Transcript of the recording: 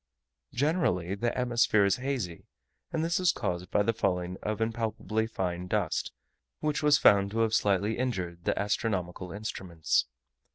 Generally the atmosphere is hazy; and this is caused by the falling of impalpably fine dust, which was found to have slightly injured the astronomical instruments.